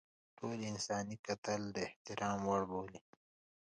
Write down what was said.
ټوله انساني کتله د احترام وړ بولي.